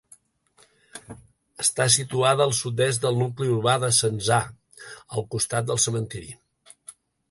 Està situada al sud-est del nucli urbà de Censà, al costat del cementiri.